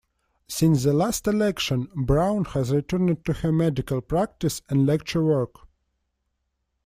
Since the last election, Brown has returned to her medical practice and lecture work.